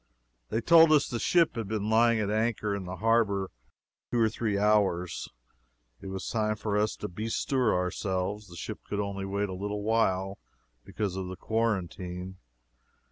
They told us the ship had been lying at anchor in the harbor two or three hours. It was time for us to bestir ourselves. The ship could wait only a little while because of the quarantine.